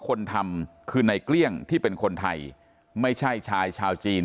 คนทำคือในเกลี้ยงที่เป็นคนไทยไม่ใช่ชายชาวจีน